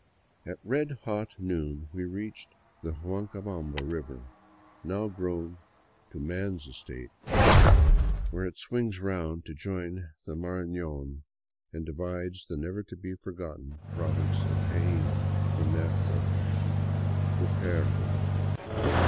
At red hot noon we reached the Huancabamba river, now grown to man's estate, where it swings around to join the Marafion and divides the never to be forgotten Province of Jaen from that of Cu tervo.